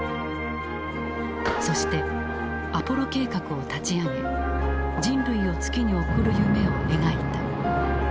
そしてアポロ計画を立ち上げ人類を月に送る夢を描いた。